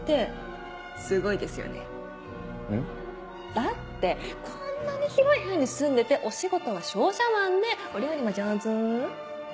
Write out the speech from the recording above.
だってこんなに広い部屋に住んでてお仕事は商社マンでお料理も上手。